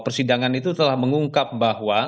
persidangan itu telah mengungkap bahwa